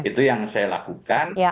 itu yang saya lakukan